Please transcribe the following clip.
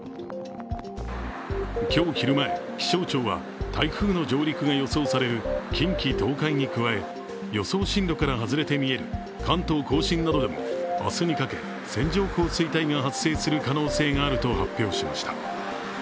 今日昼前、気象庁は台風の上陸が予想される近畿・東海に加え予想進路から外れて見える関東甲信などでも明日にかけ線状降水帯が発生する可能性があると発表しました。